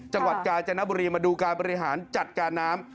จังหวัดกาญจนบุรีมาดูการบริหารจัดการน้ำ